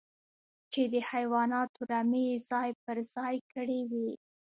چې د حيواناتو رمې يې ځای پر ځای کړې وې.